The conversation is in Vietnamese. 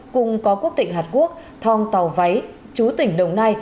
cùng có quốc tỉnh hạt quốc thong tàu váy chú tỉnh đồng nai